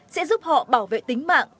sẽ giúp họ bảo vệ tính mạng tài sản